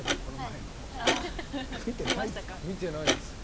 見てないですか？